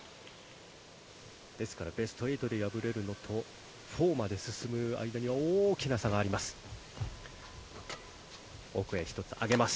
ですからベスト８で敗れるのとベスト４まで進む間には大きな差があります。